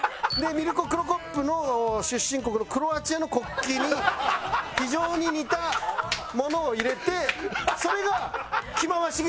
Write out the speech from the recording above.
ミルコ・クロコップの出身国のクロアチアの国旗に非常に似たものを入れてそれが。